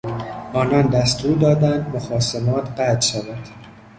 آنان دستور دادند مخاصمات قطع شود.